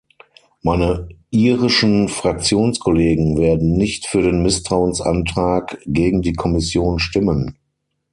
Meine irischen Fraktionskollegen werden nicht für den Misstrauensantrag gegen die Kommission stimmen.